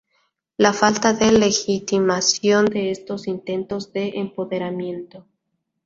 La falta de legitimación de estos intentos de empoderamiento